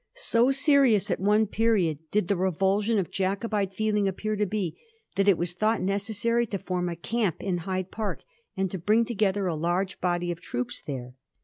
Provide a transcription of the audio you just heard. So serious at one period did the revulsion of Jacobite feeling appear to be, that it was thought necessary to form a camp in Hyde Park, and to bring together a large body of troops there.